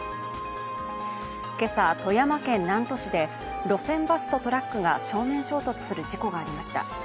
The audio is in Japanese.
今朝、富山県南砺市で路線バスとトラックが正面衝突する事故がありました。